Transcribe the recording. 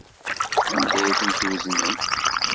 Anda ay tent-tweznem?